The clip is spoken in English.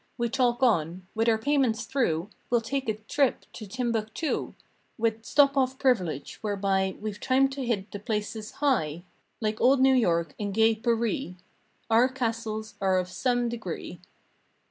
We talk on—"With our payments through We'll take a trip to Timbuctoo, With 'stop off privilege' whereby We've time to hit the places 'high'— Like old New York and gay Par ee"— Our castles are of some degree.